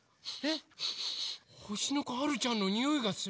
ほしのこはるちゃんのにおいがする。